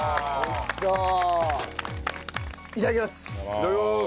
いただきます！